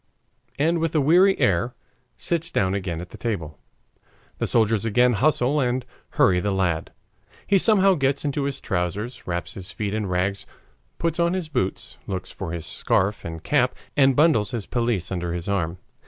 and with a weary air sits down again at the table. The soldiers again hustle and hurry the lad. He somehow gets into his trousers, wraps his feet in rags, puts on his boots, looks for his scarf and cap, and bundles his pelisse under his arm.